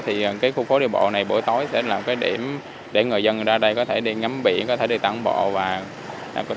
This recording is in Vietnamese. thì cái khu phố đi bộ này buổi tối sẽ là một cái điểm để người dân ra đây có thể đi ngắm biển có thể đi tản bộ và